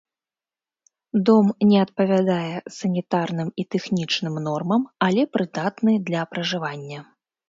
Дом не адпавядае санітарным і тэхнічным нормам, але прыдатны для пражывання.